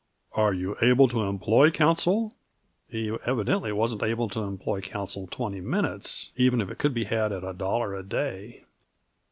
"Are you able to employ counsel?" He evidently wasn't able to employ counsel twenty minutes, even if it could be had at a dollar a day.